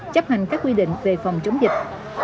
chấp hành các quy định về phòng chống dịch